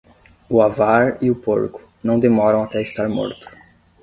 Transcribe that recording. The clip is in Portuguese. O avar e o porco, não demoram até estar morto.